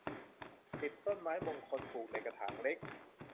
สิบ ต้นไม้มงคล ปลูกในกระถางเล็ก